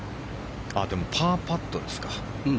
でも、パーパットですか。